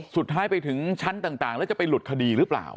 สุดท้ายไปถึงชั้นต่างแล้วจะไปหลุดคดีหรือเปล่า